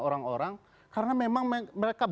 orang orang karena memang mereka